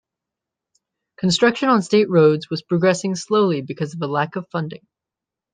Construction on state roads was progressing slowly because of a lack of funding.